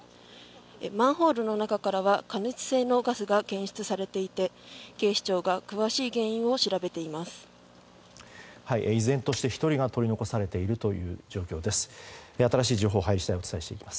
マンホールの中からは加熱性のガスが検出されていて警視庁が詳しい原因を調べています。